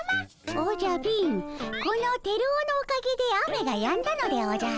おじゃ貧このテルオのおかげで雨がやんだのでおじゃる。